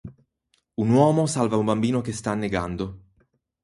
Un uomo salva un bambino che sta annegando.